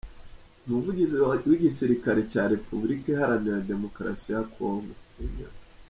Umuvugizi w’igisirikare cya Repubulika Iharanira Demokarasi ya Congo, Gen.